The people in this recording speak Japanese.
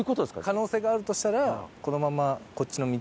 可能性があるとしたらこのまま。